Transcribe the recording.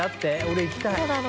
俺行きたい。